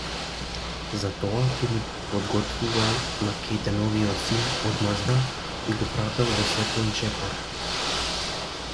Затоа тој му подготвувал на Кејтеновиот син одмазда и го прател во секој чекор.